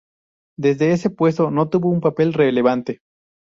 Desde este puesto no tuvo un papel relevante.